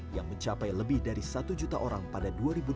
yang mencapai lebih dari satu juta orang pada dua ribu dua puluh